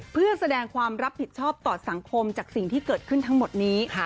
เพื่อแสดงความรับผิดชอบต่อสังคมจากสิ่งที่เกิดขึ้นทั้งหมดนี้